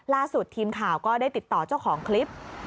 ล่าสุดทีมข่าวก็ได้ติดต่อเจ้าของคลิป